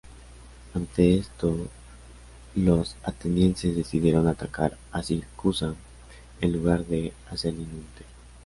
Ante esto los atenienses decidieron atacar a Siracusa en lugar de a Selinunte.